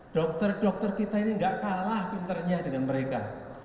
dokter dokter kita ini gak kalah pinternya dengan mereka